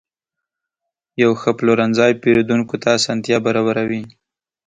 یو ښه پلورنځی پیرودونکو ته اسانتیا برابروي.